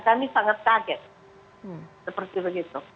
kami sangat kaget seperti begitu